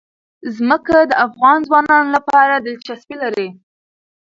ځمکه د افغان ځوانانو لپاره دلچسپي لري.